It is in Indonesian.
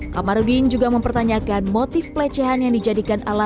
kamarudin juga mempertanyakan motif pelecehan